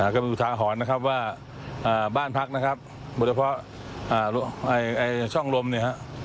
ก็มีทางหอนนะครับว่าบ้านพักนะครับบริเวณช่องลมเนี่ย